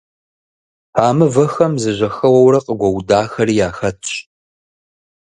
А мывэхэм зэжьэхэуэурэ къыгуэудахэри яхэтщ.